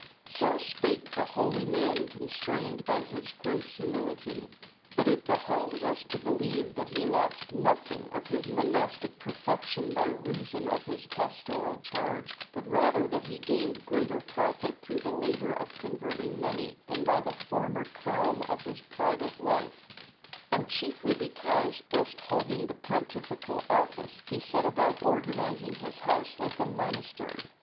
So spake the holy man constrained by his great humility. But it behoves us to believe that he lost nothing of his monastic perfection by reason of his pastoral charge, but rather that he gained greater profit through the labour of converting many, than by the former calm of his private life, and chiefly because, whilst holding the pontifical office, he set about organizing his house like a monastery.